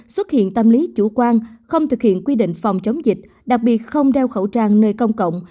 xuất hiện tâm lý chủ quan không thực hiện quy định phòng chống dịch đặc biệt không đeo khẩu trang nơi công cộng